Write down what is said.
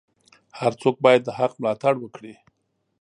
هر څوک باید د حق ملاتړ وکړي.